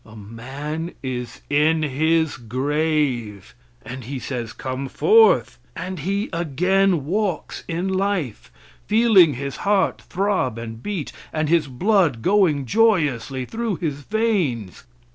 A man is in his grave, and He says, "Come forth!" and he again walks in life, feeling his heart throb and beat, and his blood going joyously through his veins.